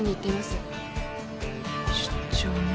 出張ね。